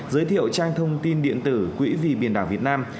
giới thiệu trang thông tin điện tử quỹ vì biển đảo việt nam